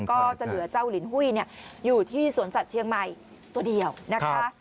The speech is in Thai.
ก็จะเหลือเจ้าลินหุ้ยอยู่ที่สวนสัตว์เชียงใหม่ตัวเดียวนะคะ